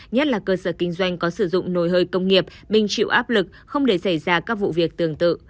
nhất là cơ sở kinh doanh có sử dụng nồi hơi công nghiệp bình chịu áp lực không để xảy ra các vụ việc tương tự